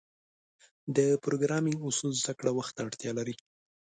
د پروګرامینګ اصول زدهکړه وخت ته اړتیا لري.